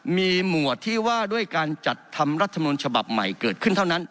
มีหมวดที่ว่าด้วยการจัดทำรัฐมนุนฉบับใหม่เกิดขึ้นเท่านั้น